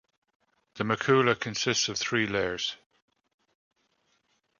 The macula consists of three layers.